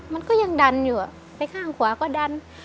มันก็ยังดันอยู่ไปข้างขวาก็ดัน